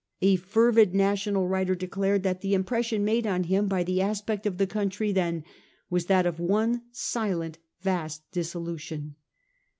A fervid national writer declared that the impression made on him by the aspect of the country then was that of ' one silent vast dissolution.